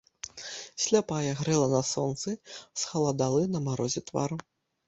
Сляпая грэла на сонцы схаладалы на марозе твар.